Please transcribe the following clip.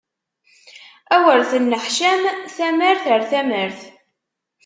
Awer tenneḥcam tamart ar tamart!